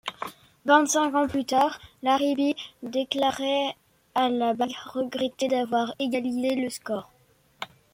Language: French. Vingt-cinq ans plus tard, Laribee déclarait à la blague regretter d'avoir égalisé le score.